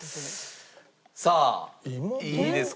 さあいいですか？